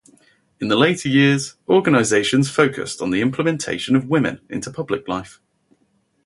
In the later years, organizations focused on the implementation of women into public life.